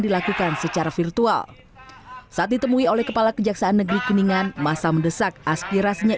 dilakukan secara virtual saat ditemui oleh kepala kejaksaan negeri kuningan masa mendesak aspirasinya